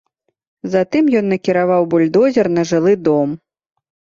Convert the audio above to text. Затым ён накіраваў бульдозер на жылы дом.